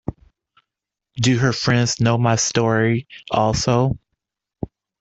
Do her friends know my story also?